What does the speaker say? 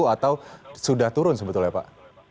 atau sudah turun sebetulnya pak